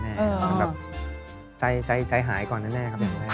มันแบบใจหายก่อนแน่ครับคุณแม่